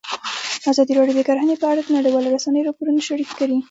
ازادي راډیو د کرهنه په اړه د نړیوالو رسنیو راپورونه شریک کړي.